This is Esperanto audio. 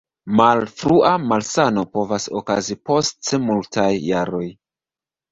Malfrua malsano povas okazi post multaj jaroj.